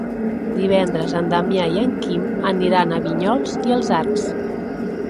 Divendres en Damià i en Quim aniran a Vinyols i els Arcs.